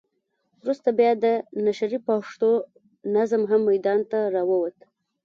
وروسته بیا د نشرې پښتو نظم هم ميدان ته راووت.